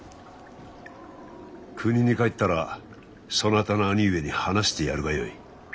国に帰ったらそなたの兄上に話してやるがよい。